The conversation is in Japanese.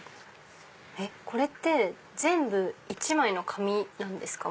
これって全部１枚の紙なんですか？